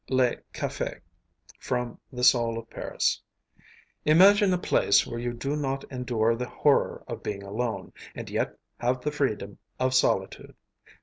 LE CAFÉ From 'The Soul of Paris' Imagine a place where you do not endure the horror of being alone, and yet have the freedom of solitude.